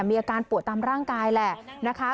มีอาการปวดตามร่างกายแหละนะคะ